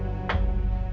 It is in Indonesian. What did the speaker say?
gua gak terima